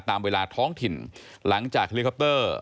ตามเวลาท้องถิ่นหลังจากเฮลิคอปเตอร์